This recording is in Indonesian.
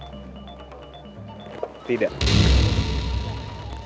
serahkan dulu hadiah yang sudah menjadi hak kami